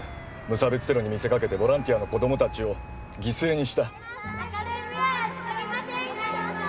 無差別テロに見せかけてボランティアの子供たちを犠牲にしたお願いします